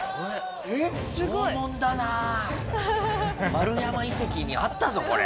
丸山遺跡にあったぞこれ。